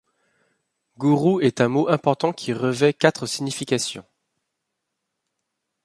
Guru est un mot important qui revêt quatre significations.